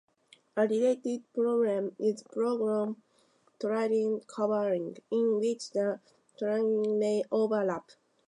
A related problem is polygon triangle covering, in which the triangles may overlap.